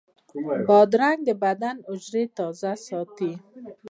بادرنګ د بدن حجرې تازه ساتي.